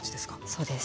そうです。